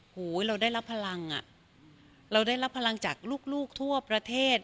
โหเราได้รับพลังอ่ะเราได้รับพลังจากลูกทั่วประเทศ